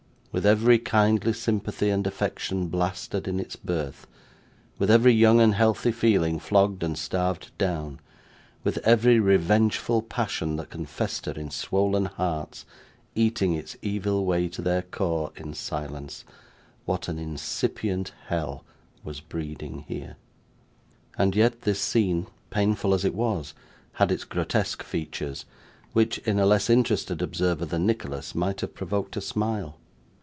With every kindly sympathy and affection blasted in its birth, with every young and healthy feeling flogged and starved down, with every revengeful passion that can fester in swollen hearts, eating its evil way to their core in silence, what an incipient Hell was breeding here! And yet this scene, painful as it was, had its grotesque features, which, in a less interested observer than Nicholas, might have provoked a smile.